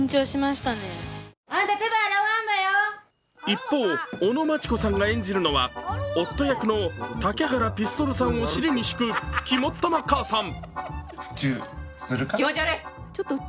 一方、尾野真千子さんが演じるのは夫役の竹原ピストルさんを尻に敷く肝っ玉母さん。